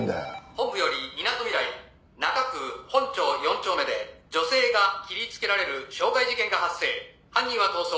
「本部よりみなとみらい」「中区本町４丁目で女性が切りつけられる傷害事件が発生」「犯人は逃走」